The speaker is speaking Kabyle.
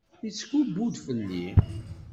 Yettkubbu-d fell-i.